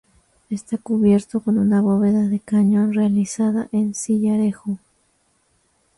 Está cubierto con bóveda de cañón, realizada en sillarejo.